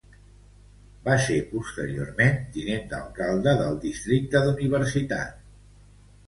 Va ser posteriorment tinent d'alcalde del districte d'Universitat.